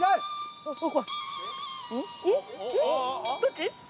どっち？